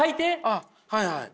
あっはいはい。